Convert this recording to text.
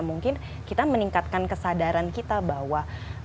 mungkin kita meningkatkan kesadaran kita bahwa